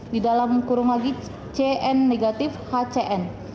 di dalam kurung lagi cn negatif hcn